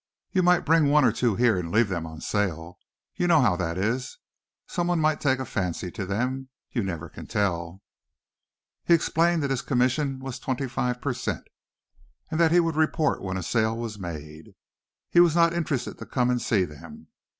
"You might bring one or two here and leave them on sale. You know how that is. Someone might take a fancy to them. You never can tell." He explained that his commission was twenty five per cent, and that he would report when a sale was made. He was not interested to come and see them.